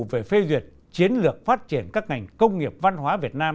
về phê duyệt chiến lược phát triển các ngành công nghiệp văn hóa việt nam